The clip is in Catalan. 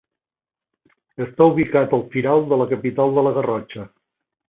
Està ubicat al Firal de la capital de La Garrotxa.